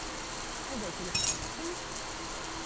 Ad akent-tt-kksent?